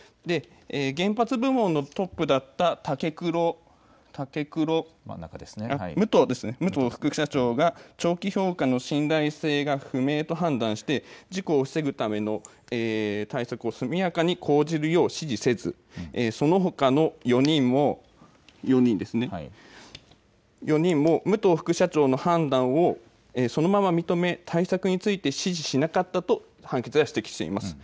原発部門のトップだった、武藤副社長が、長期評価の信頼性が不明と判断して、事故を防ぐための対策を速やかに講じるよう指示せず、そのほかの４人も、武藤副社長の判断をそのまま認め、対策について指示しなかったと判決では指摘しています。